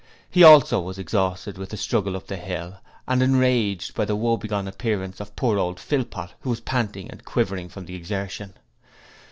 He also was exhausted with the struggle up the hill and enraged by the woebegone appearance of poor old Philpot, who was panting and quivering from the exertion.